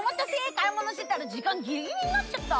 買い物してたら時間ギリギリになっちゃった。